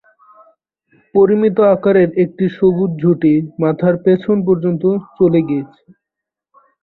পরিমিত আকারের একটি সবুজ ঝুঁটি মাথার পেছন পর্যন্ত চলে গিয়েছে।